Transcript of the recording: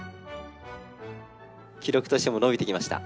記録としても伸びてきました。